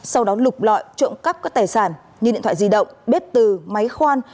sau đó lục lọi trộm cắp các tài sản như điện thoại di động bếp từ máy khoan